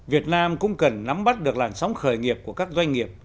việt nam cũng cần nắm bắt được làn sóng khởi nghiệp của các doanh nghiệp